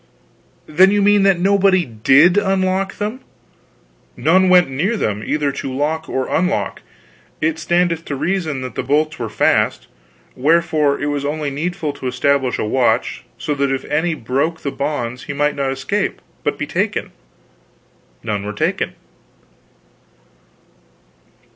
"Then you mean that nobody did unlock them?" "None went near them, either to lock or unlock. It standeth to reason that the bolts were fast; wherefore it was only needful to establish a watch, so that if any broke the bonds he might not escape, but be taken. None were taken."